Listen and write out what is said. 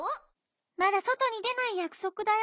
まだそとにでないやくそくだよ！